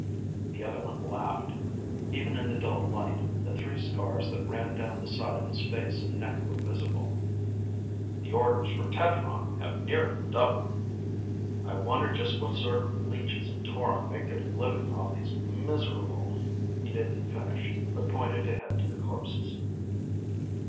The other one laughed. Even in the dull light, the three scars that ran down the side of his face and neck were visible. "The orders for tetron have nearly doubled." "I wonder just what sort of leeches in Toron make their living off these miserable " He didn't finish, but pointed ahead to the corpses.